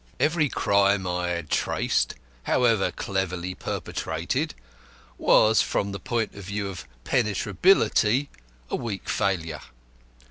Every crime I had traced, however cleverly perpetrated, was from the point of view of penetrability a weak failure.